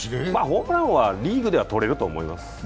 ホームラン王はリーグでは取れると思います。